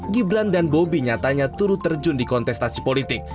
gibran dan bobi nyatanya turut terjun di kontestasi politik